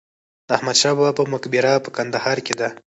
د احمدشاه بابا په مقبره په کندهار کې ده.